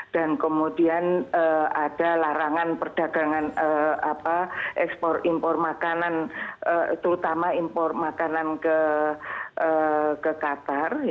dan kemudian ada larangan perdagangan ekspor impor makanan terutama impor makanan ke qatar